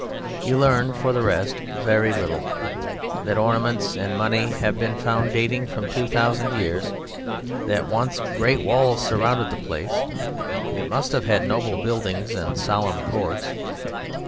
You learn (for the rest) very little that ornaments and money have been found dating from two thousand years, that once great walls surrounded the place. It must have had noble buildings and solemn courts.